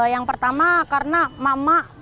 yang pertama karena mama